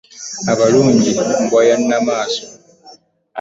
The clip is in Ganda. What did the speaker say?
Abalunji mbwa ya Nnamasole .